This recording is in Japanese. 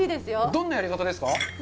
どんなやり方ですか？